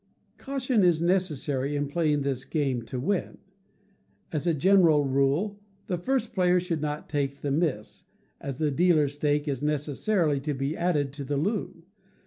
Caution is necessary in playing this game to win. As a general rule, the first player should not take the miss, as the dealer's stake is necessarily to be added to the loo.